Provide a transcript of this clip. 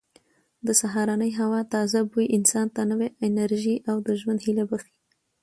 د سهارنۍ هوا تازه بوی انسان ته نوې انرژي او د ژوند هیله بښي.